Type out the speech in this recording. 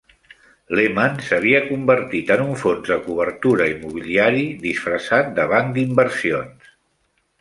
Lehman s'havia convertit en un fons de cobertura immobiliari disfressat de banc d'inversions.